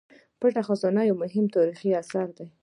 پټه خزانه یو مهم تاریخي اثر دی.